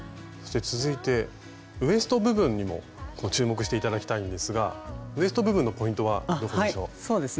そして続いてウエスト部分にも注目して頂きたいんですがウエスト部分のポイントはどこでしょう？